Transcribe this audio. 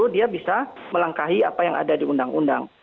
dia bisa melangkahi apa yang ada di undang undang